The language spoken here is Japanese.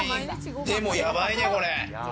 腕もやばいね、これ。